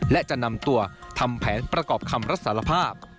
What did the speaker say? และจะนำตัวทำแผนประกอบคำรับสารภาพ